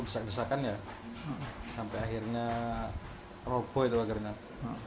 sampai akhirnya robo itu agar enak